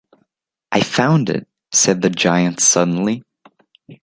I found it! said the giant suddenly.